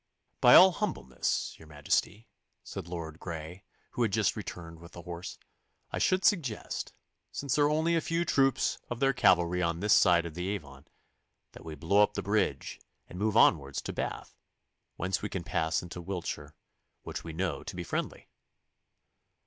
'With all humbleness, your Majesty,' said Lord Grey, who had just returned with the horse, 'I should suggest, since there are only a few troops of their cavalry on this side of the Avon, that we blow up the bridge and move onwards to Bath, whence we can pass into Wiltshire, which we know to be friendly.